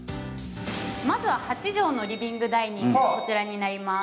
まずは８畳のリビングダイニングがこちらになります。